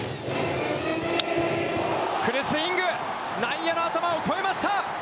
フルスイング内野の頭を越えました！